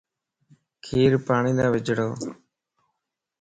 کير پاڻيني جڙووَ